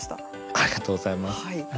ありがとうございます。